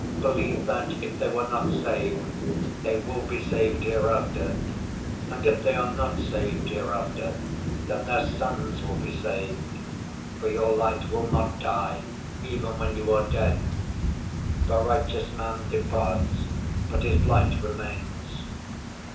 Believe that if they were not saved, they will be saved hereafter. And if they are not saved hereafter, then their sons will be saved, for your light will not die even when you are dead. The righteous man departs, but his light remains.